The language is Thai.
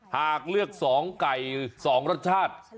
หากเลือก๒ไก่๒รสชาติ